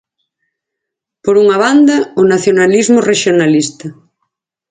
Por unha banda, o nacionalismo 'rexionalista'.